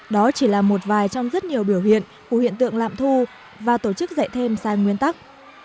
đó chỉ là một vài trong rất nhiều biểu hiện của hiện tượng lạm thu và tổ chức dạy thêm sai nguyên tắc